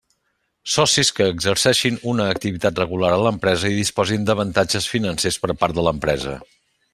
Socis que exerceixin una activitat regular a l'empresa i disposin d'avantatges financers per part de l'empresa.